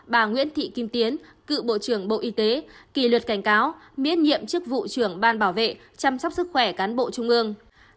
hai mươi một bà nguyễn thị kim tiến cựu bộ trưởng bộ y tế kỷ luật cảnh cáo miễn nhiệm chức vụ trưởng ban bảo vệ chăm sóc sức khỏe cán bộ trung ương